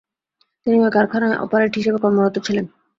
তিনি ওই কারখানায় অপারেটর হিসেবে কর্মরত ছিলেন।